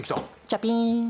チャピーン！